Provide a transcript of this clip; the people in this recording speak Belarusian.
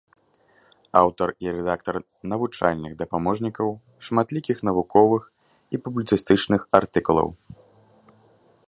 Аўтар і рэдактар навучальных дапаможнікаў, шматлікіх навуковых і публіцыстычных артыкулаў.